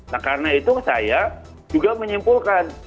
nah karena itu saya juga menyimpulkan